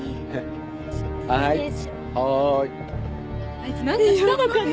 あいつなんかしたのかな？